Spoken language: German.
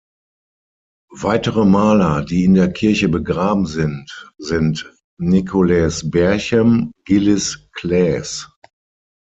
Weitere Maler, die in der Kirche begraben sind, sind Nicolaes Berchem, Gillis Claesz.